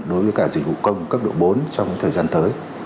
đối với cả dịch vụ công cấp độ bốn trong thời gian tới